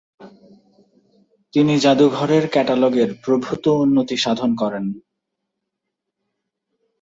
তিনি জাদুঘরের ক্যাটালগের প্রভূত উন্নতি সাধন করেন।